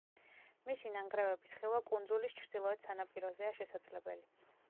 მისი ნანგრევების ხილვა კუნძულის ჩრდილოეთ სანაპიროზეა შესაძლებელი.